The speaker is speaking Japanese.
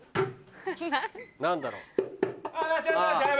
何だろう？